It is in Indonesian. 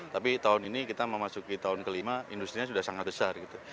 tapi tahun ini kita memasuki tahun kelima industri nya sudah sangat besar gitu